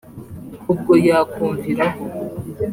ubwo yakumviraho